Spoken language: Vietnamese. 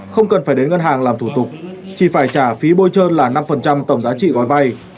không cần phải đến ngân hàng làm thủ tục chỉ phải trả phí bôi trơn là năm tổng giá trị gói vay